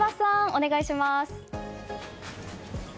お願いします！